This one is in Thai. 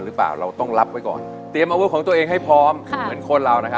เราต้องรับไว้ก่อน